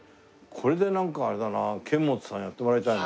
これでなんかあれだな監物さんやってもらいたいな。